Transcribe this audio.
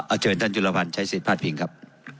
เชิญท่านจุลภัณฑ์ใช้สิทธิพลาดพิงครับ